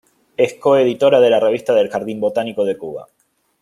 Es coeditora de la Revista del Jardín Botánico de Cuba.